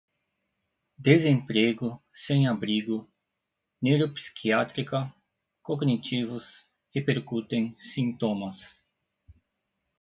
desemprego, sem-abrigo, neuropsiquiátrica, cognitivos, repercutem, sintomas